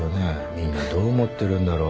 みんなどう思ってるんだろう。